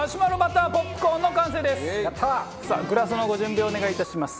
さあグラスのご準備をお願いいたします。